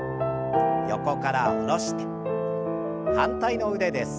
横から下ろして反対の腕です。